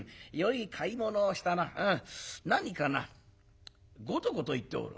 何かなゴトゴトいっておる。